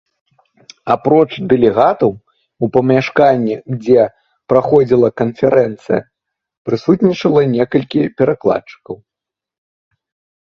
Апроч дэлегатаў, у памяшканні, дзе праходзіла канферэнцыя, прысутнічала некалькі перакладчыкаў.